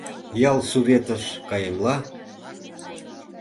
Ял суветыш каемла.